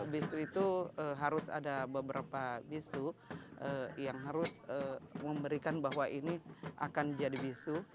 bisu itu harus ada beberapa bisu yang harus memberikan bahwa ini akan jadi bisu